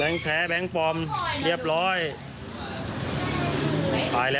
เนี่ย